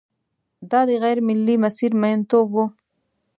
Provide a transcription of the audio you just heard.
دا د غېر ملي مسیر میینتوب و.